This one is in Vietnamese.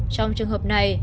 trong trường hợp này